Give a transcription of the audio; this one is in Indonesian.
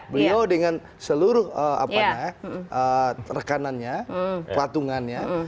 beliau dengan seluruh rekanannya pelatungannya